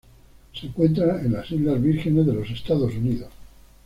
Se encuentra en las Islas Vírgenes de los Estados Unidos.